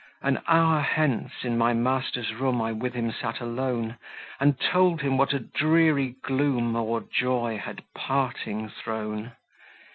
An hour hence, in my master's room I with him sat alone, And told him what a dreary gloom O'er joy had parting thrown.